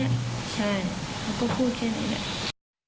เขาก็พูดแค่นี้